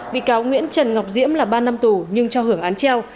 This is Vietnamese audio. bị cáo nguyễn trần ngọc diễm là ba năm tù nhưng cho hưởng án treo